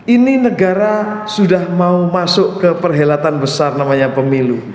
ini negara sudah mau masuk ke perhelatan besar namanya pemilu